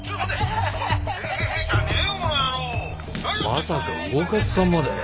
まさか魚勝さんまで。